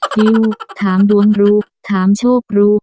วิวถามดวงรู้ถามโชครู้